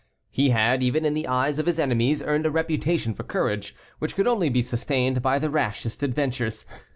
He had, even in the eyes of his enemies, earned a reputation for courage, which could only be sustained by the rashest adventures.